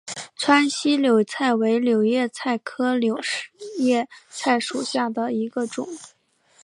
川西柳叶菜为柳叶菜科柳叶菜属下的一个种。